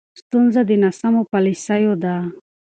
ستونزه د ناسمو پالیسیو ده.